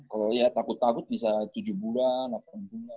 kalau ya takut takut bisa tujuh bulan apa yang lain